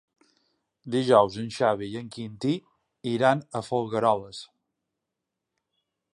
Dijous en Xavi i en Quintí iran a Folgueroles.